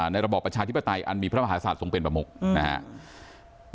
ระบอบประชาธิปไตยอันมีพระมหาศาสตทรงเป็นประมุกนะครับ